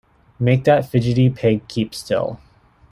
Make that fidgety pig keep still.